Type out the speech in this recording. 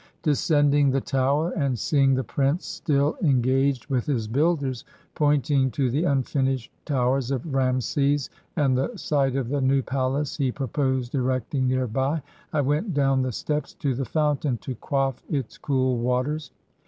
Descending the tower, and seeing the prince still 131 EGYPT engaged with his builders, pointing to the unfinished towers of Raamses, and the site of the new palace he proposed erecting near by, I went down the steps to the fountain, to quaff its cool waters.